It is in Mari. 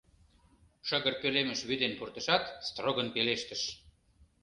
Шыгыр пӧлемыш вӱден пуртышат, строгын пелештыш: